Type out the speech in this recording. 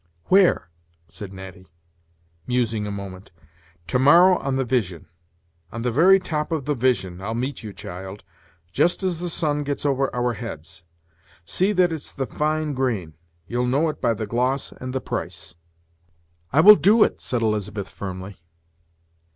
"Where?" said Natty, musing a moment "to morrow on the Vision; on the very top of the Vision, I'll meet you, child, just as the sun gets over our heads. See that it's the fine grain; you'll know it by the gloss and the price." "I will do it," said Elizabeth, firmly.